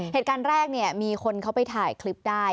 เหตุการณ์แรกเนี่ยมีคนเขาไปถ่ายคลิปได้